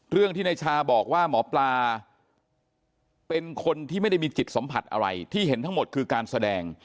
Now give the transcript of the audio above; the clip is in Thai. เรื่องที่นายชาบอกว่าหมอปลาเป็นคนที่ไม่ได้มีจิตสัมผัสอะไรที่เห็นทั้งหมดคือการแสดง